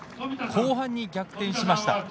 後半に逆転しました。